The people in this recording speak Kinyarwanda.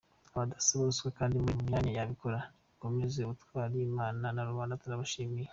Abasdasaba ruswa kandi muri mu myanya yabikora nimukomeze ubutwari Imana na rubanda turabishimiye.